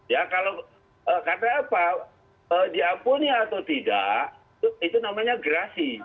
ya kalau diampuni atau tidak itu namanya gerasi